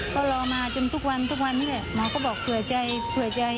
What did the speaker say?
ก็รอมาจนทุกวันทุกวันนี้แหละหมอก็บอกเผื่อใจเผื่อใจ